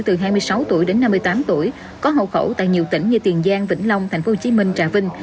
từ hai mươi sáu tuổi đến năm mươi tám tuổi có hậu khẩu tại nhiều tỉnh như tiền giang vĩnh long tp hcm trà vinh